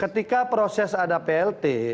ketika proses ada plt